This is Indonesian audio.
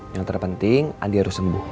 yang terpenting andi harus sembuh